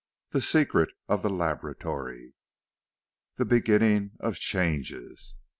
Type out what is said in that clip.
THE SECRET OF THE LABORATORY. XV. THE BEGINNING OF CHANGES.